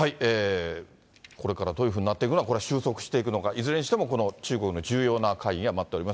これからどういうふうになっていくのか、これ、収束していくのか、いずれにしても中国の重要な会議が待っております。